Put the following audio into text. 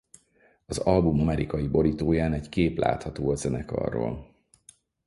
Az album amerikai borítóján egy kép látható a zenekarról.